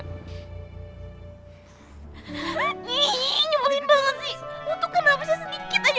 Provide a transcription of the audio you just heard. nyebelin banget sih